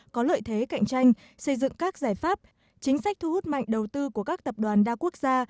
có lợi thế cạnh tranh xây dựng các giải pháp chính sách thu hút mạnh đầu tư của các tập đoàn đa quốc gia